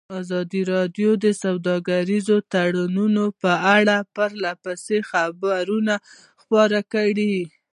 ازادي راډیو د سوداګریز تړونونه په اړه پرله پسې خبرونه خپاره کړي.